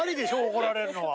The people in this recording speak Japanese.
怒られるのは。